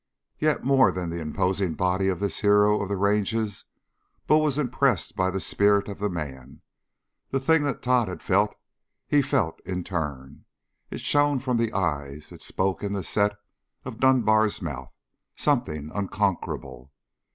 Yet, more than the imposing body of this hero of the ranges, Bull was impressed by the spirit of the man. The thing that Tod had felt, he felt in turn. It shone from the eye, it spoke in the set of Dunbar's mouth, something unconquerable.